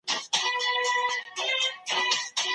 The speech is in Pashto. ملي شتمنۍ څنګه په سياسي توګه اداره کېږي؟